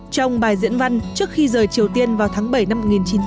trong bài diễn văn trước khi rời triều tiên vào tháng bảy năm một nghìn chín trăm bảy mươi